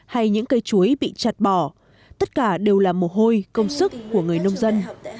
hay những cây chuối bị chặt bỏ tất cả đều là mồ hôi công sức của người nông dân